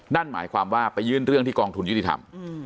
นั่นหมายความว่าไปยื่นเรื่องที่กองทุนยุติธรรม